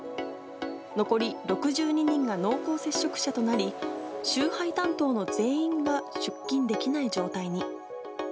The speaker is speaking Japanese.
残り６２人が濃厚接触者となり、集配担当の全員が出勤できない状態に。